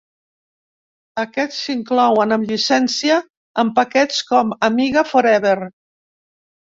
Aquests s'inclouen amb llicència en paquets com Amiga Forever.